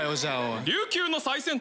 琉球の最先端。